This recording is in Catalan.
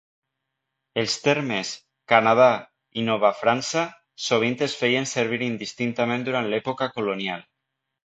Els termes "Canadà" i "Nova França" sovint es feien servir indistintament durant l'època colonial.